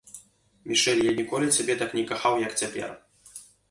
Мішэль, я ніколі цябе так не кахаў, як цяпер.